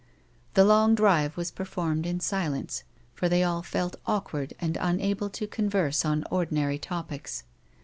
The long drive was performed in silence, for thej' all felt awkward and unable to converse on ordinary topics.